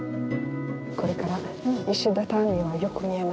これから石畳がよく見えます。